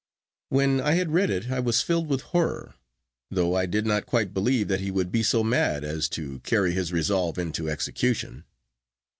When I had read it I was filled with horror, though I did not quite believe that he would be so mad as to carry his resolve into execution.